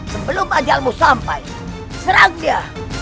sebelum ajalmu sampai serak dia